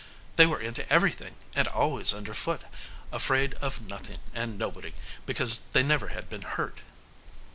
They were into everything, and always under foot, afraid of nothing or nobody, because they never had been hurt.